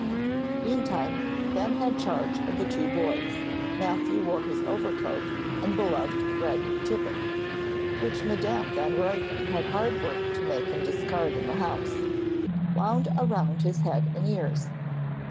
Meantime Ben had charge of the two boys. Matthew wore his overcoat and beloved red tippet (which Madam Van Ruypen had hard work to make him discard in the house) wound around his head and ears.